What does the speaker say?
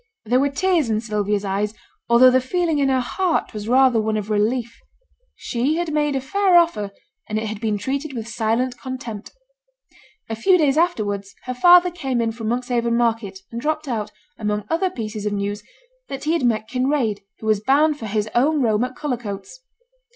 There were tears in Sylvia's eyes, although the feeling in her heart was rather one of relief. She had made a fair offer, and it had been treated with silent contempt. A few days afterwards, her father came in from Monkshaven market, and dropped out, among other pieces of news, that he had met Kinraid, who was bound for his own home at Cullercoats.